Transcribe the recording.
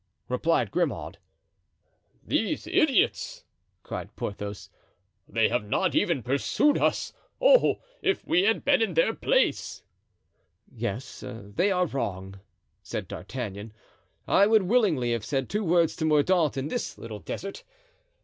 replied Grimaud. "Those idiots!" cried Porthos, "they have not even pursued us. Oh! if we had been in their place!" "Yes, they are wrong," said D'Artagnan. "I would willingly have said two words to Mordaunt in this little desert.